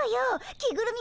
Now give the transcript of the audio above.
着ぐるみ